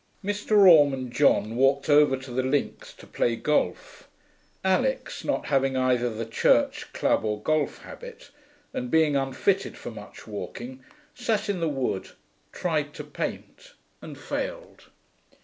Mr. Orme and John walked over to the links to play golf. Alix, not having either the church, club, or golf habit, and being unfitted for much walking, sat in the wood, tried to paint, and failed.